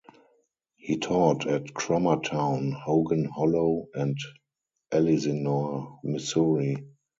He taught at Crommertown, Hogan Hollow and Ellsinore, Missouri.